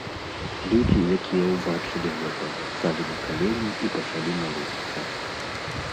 Людзі, якія ўбачылі гэта, сталі на калені і пачалі маліцца.